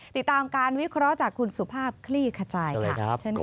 ติดตามการวิเคราะห์จากคุณสุภาพคลี่ขจายค่ะ